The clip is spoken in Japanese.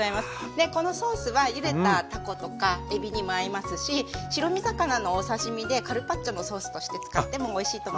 このソースはゆでたタコとかエビにも合いますし白身魚のお刺身でカルパッチョのソースとして使ってもおいしいと思います。